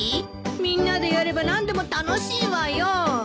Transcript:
みんなでやれば何でも楽しいわよ。